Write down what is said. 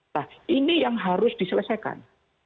nah ini yang harus diselesaikan